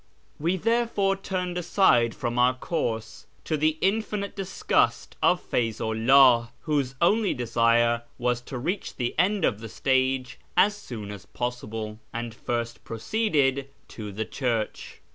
We therefore turned aside from our course (to the infinite disgust of Feyzu 'llah, whose only desire was to reach the end of the stage as soon as possible), and first proceeded to the church.